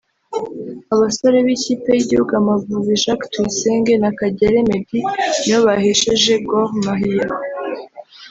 Abasore b'ikipe y'igihugu Amavubi Jacques Tuyisenge na Kagere Meddy nibo bahesheje Gor Mahia